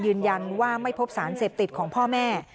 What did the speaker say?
ยืนยันว่าไม่พบสารเสพติดของพ่อแม่